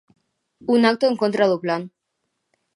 Un acto en contra do plan.